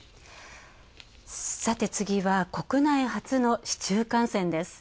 さて、次は国内初の市中感染です。